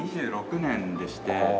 １９２６年でして。